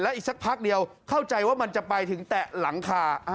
อีกสักพักเดียวเข้าใจว่ามันจะไปถึงแตะหลังคา